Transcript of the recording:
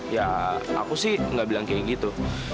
ya aku sih nggak bilang kayak gitu